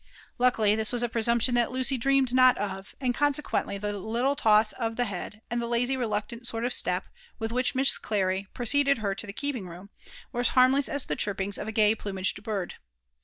Luckily, this was a presumption that Lucy dreamed not of; and consequently the little toss of the head, and the lazy, reluctant sort of step, with which Miss Clar^ preceded her to the keeping room, were as harmless as the'chirpings of a gay plumaged bird.